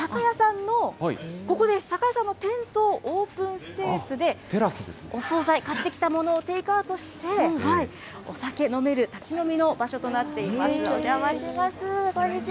酒屋さんの店頭オープンスペースで、お総菜、買ってきたものをテイクアウトして、お酒飲める立ち飲みの場所となっています。